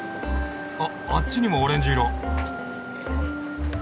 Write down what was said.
あっあっちにもオレンジ色。